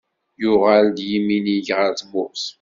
Yuɣal-d yiminig ɣer tmurt.